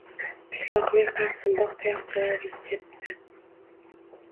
Pishloqli qarsildoq tayoqchalar retsepti